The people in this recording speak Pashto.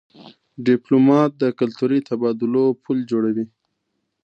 ډيپلومات د کلتوري تبادلو پل جوړوي.